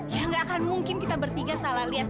ya nggak akan mungkin kita bertiga salah lihat